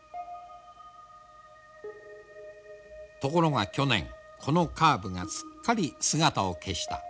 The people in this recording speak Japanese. ところが去年このカーブがすっかり姿を消した。